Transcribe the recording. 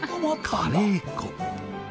カレー粉。